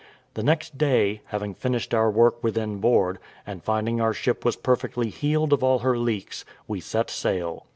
The next day, having finished our work within board, and finding our ship was perfectly healed of all her leaks, we set sail.